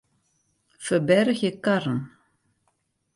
Ferbergje karren.